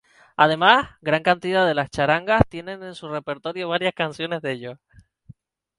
Además, gran cantidad de las charangas tienen en su repertorio varias canciones de ellos.